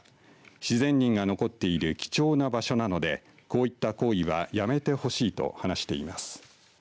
自然林が残っている貴重な場所なのでこういった行為はやめてほしいと話しています。